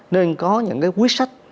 nên có những cái quyết sách